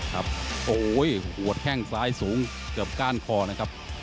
ครับโอ้โหหัวแข้งซ้ายสูงเกือบก้านคอนะครับ